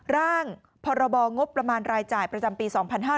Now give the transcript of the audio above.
ร่างพรบงบประมาณรายจ่ายประจำปี๒๕๕๙